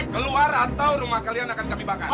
keluar atau rumah kalian akan kebibakan